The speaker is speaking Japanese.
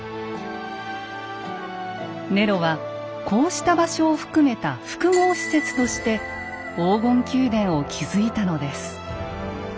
ネロはこうした場所を含めた複合施設として黄金宮殿を築いたのです。